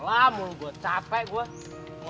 kalau ada resiko yatuh semua